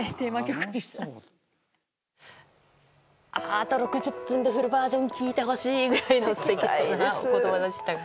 あと６０分でフルバージョン聴いてぐらいの素敵な言葉でしたが。